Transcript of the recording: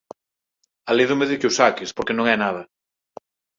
Alédome de que o saques, porque non é nada.